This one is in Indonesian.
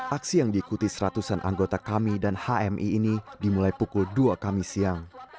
aksi yang diikuti seratusan anggota kami dan hmi ini dimulai pukul dua kamis siang